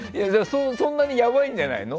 そんなにやばいんじゃないの？